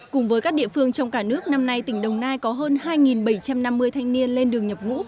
cùng với các địa phương trong cả nước năm nay tỉnh đồng nai có hơn hai bảy trăm năm mươi thanh niên lên đường nhập ngũ